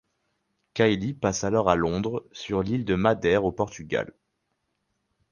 Kylie passe alors à Londres, sur l'île de Madère au Portugal.